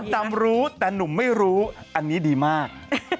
จำรู้แต่หนุ่มไม่รู้อันนี้ดีมาก